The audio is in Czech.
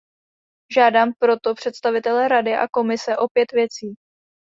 Žádám proto představitele Rady a Komise o pět věcí.